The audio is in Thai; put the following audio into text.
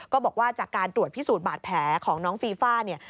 ก็บอกว่าจากการตรวจพิสูจน์บาดแผลของน้องฟีฟ่าเนี่ย